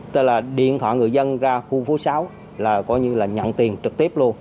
tức là điện thoại người dân ra khu phố sáu là coi như là nhận tiền trực tiếp luôn